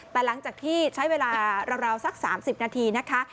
แต่หลังจากที่ใช้เวลาราวสัก๓๐นาทีนะคะ